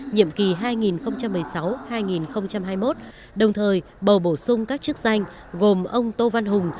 nhiệm kỳ hai nghìn một mươi sáu hai nghìn hai mươi một đồng thời bầu bổ sung các chức danh gồm ông tô văn hùng